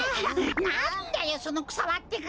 なんだよそのくさはってか！